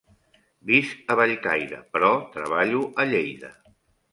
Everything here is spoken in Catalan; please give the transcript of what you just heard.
Visc a Bellcaire, però treballo a Lleida.